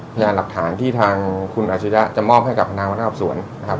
พยานหลักฐานที่ทางคุณอาชญาจะมอบให้กับคณะวัฒนาอบส่วนนะครับ